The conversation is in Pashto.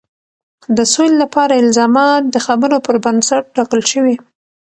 د سولې لپاره الزامات د خبرو پر بنسټ ټاکل شوي.